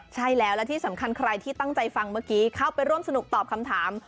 ใช่แล้วและที่สำคัญใครที่ตั้งใจฟังเมื่อกี้เข้าไปร่วมสนุกตอบคำถาม